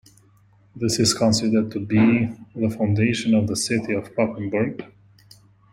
This is considered to be the foundation of the city of Papenburg.